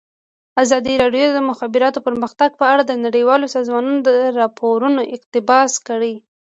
ازادي راډیو د د مخابراتو پرمختګ په اړه د نړیوالو سازمانونو راپورونه اقتباس کړي.